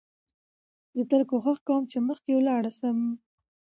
زه تل کوښښ کوم، چي مخکي ولاړ سم.